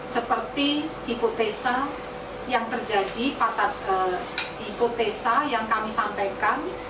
seperti hipotesa yang terjadi pada hipotesa yang kami sampaikan